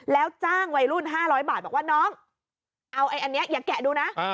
แล้วจ้างวัยรุ่น๕๐๐บาทบอกว่าน้องเอาไอ้อันนี้อย่าแกะดูนะ